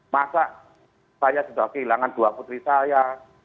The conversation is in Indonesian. masa saya sudah kehilangan dua putri saya